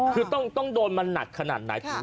คือต้องโดนมันหนักขนาดไหน